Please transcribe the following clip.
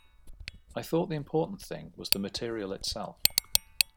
I thought the important thing was the material itself.